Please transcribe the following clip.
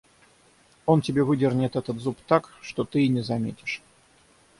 Он тебе выдернет этот зуб так, что ты и не заметишь.